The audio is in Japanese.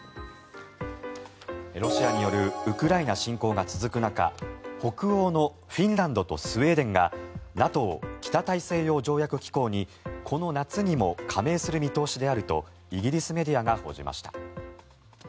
ロシアによるウクライナ侵攻が続く中北欧のフィンランドとスウェーデンがＮＡＴＯ・北大西洋条約機構にこの夏にも加盟する見通しであるとイギリスメディアが報じました。